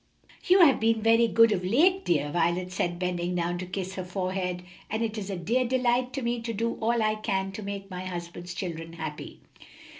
"You have been very good of late, dear," Violet said, bending down to kiss her forehead, "and it is a dear delight to me to do all I can to make my husband's children happy."